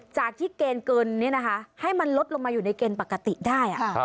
จากที่เกณฑ์เกินนี้นะคะให้มันลดลงมาอยู่ในเกณฑ์ปกติได้